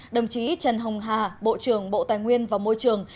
đồng chí trần hồng hà bộ trưởng bộ tài nguyên và môi trường